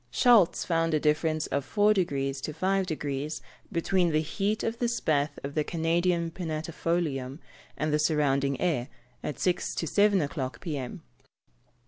Schultz found a difference of 4 deg. to 5 deg. between the heat of the spathe of the Canadian pinnatifolium and the surrounding air, at six to seven o'clock p.m.